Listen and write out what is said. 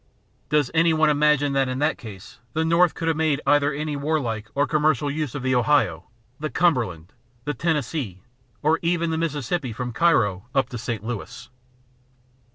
Does any one imagine that in that case the North could have made either any warlike or commercial use of the Ohio, the Cumberland, the Tennessee, or even the Mississippi from Cairo up to St. Louis?